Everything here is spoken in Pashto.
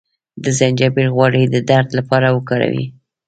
د زنجبیل غوړي د درد لپاره وکاروئ